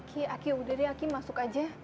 ki aki udah deh aki masuk aja